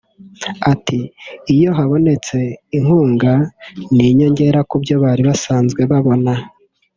Ati "Iyo habonetse inkunga ni inyongera kubyo bari basanzwe babona